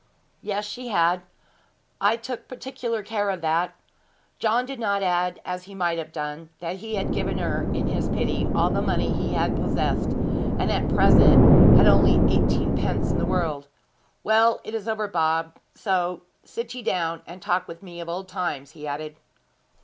'Yes, she had; I took particular care of that.' John did not add, as he might have done, that he had given her, in his pity, all the money he possessed, and at present had only eighteen pence in the world. 'Well, it is over, Bob; so sit ye down, and talk with me of old times,' he added.